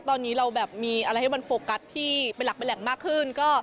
ตอนนี้เรามีอะไรให้มันโฟกัสที่เป็นหลักมากขึ้น